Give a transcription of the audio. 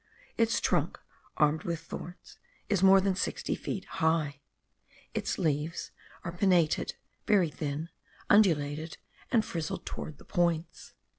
Its trunk, armed with thorns, is more than sixty feet high; its leaves are pinnated, very thin, undulated, and frizzled towards the points.